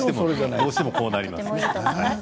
どうしても、こうなりますね。